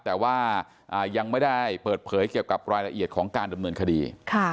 แต่ว่ายังไม่ได้เปิดเผยเกี่ยวกับรายละเอียดของการดำเนินคดี